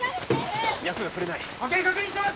脈が触れない波形確認します